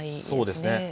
そうですね。